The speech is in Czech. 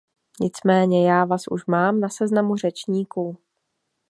Nicméně já vás už mám na seznamu řečníků.